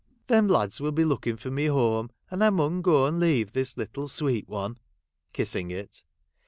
Them lads will be looking for me home, and. I mun go, and leave this little sweet one,' kissing it.